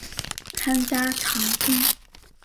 参加长征。